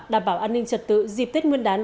đảm bảo an ninh trật tự dịp tết nguyên đán